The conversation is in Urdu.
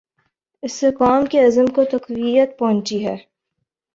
اس سے قوم کے عزم کو تقویت پہنچی ہے۔